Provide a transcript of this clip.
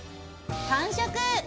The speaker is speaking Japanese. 完食！